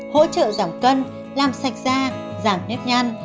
hỗ trợ giảm cân làm sạch da giảm nếp nhăn